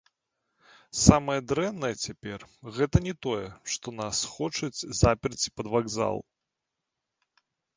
Самае дрэннае цяпер гэта не тое, што нас хочуць заперці пад вакзал.